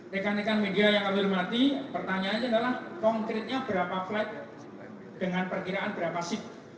dekan dekan media yang alih remati pertanyaannya adalah konkretnya berapa flight dengan perkiraan berapa seat